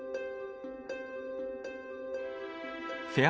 フェア